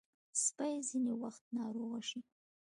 سپي ځینې وخت ناروغ شي.